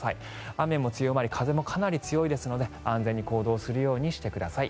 雨も強まり風もかなり強いですので安全に行動するようにしてください。